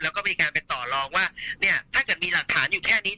แล้วก็มีการไปต่อลองว่าเนี่ยถ้าเกิดมีหลักฐานอยู่แค่นี้